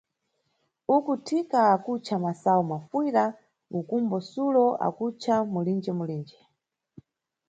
Uku Thika ankutca masayu mafuyira, ukumbo Sulo akutca mulige-mulige.